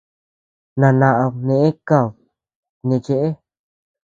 Nanad në kat neʼe cheʼe.